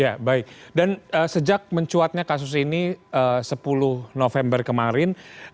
ya baik dan sejak mencuatnya kasus ini sepuluh november kemarin